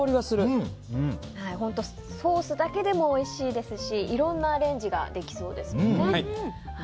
ソースだけでもおいしいですしいろんなアレンジができそうですよね。